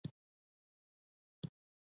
ووهان ښار ته تللی و.